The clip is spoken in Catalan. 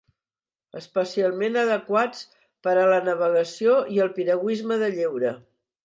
Especialment adequats per a la navegació i el piragüisme de lleure.